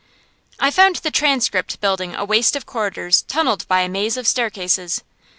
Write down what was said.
I found the "Transcript" building a waste of corridors tunnelled by a maze of staircases.